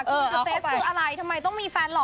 คือเฟสคืออะไรทำไมต้องมีแฟนหล่อ